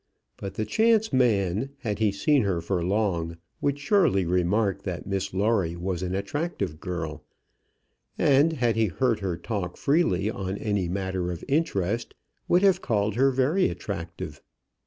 But the chance man, had he seen her for long, would surely remark that Miss Lawrie was an attractive girl; and had he heard her talk freely on any matter of interest, would have called her very attractive.